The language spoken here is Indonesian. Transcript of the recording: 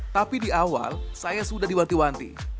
tapi di awal saya sudah diwanti wanti